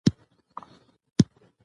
وبه يې نڅېږي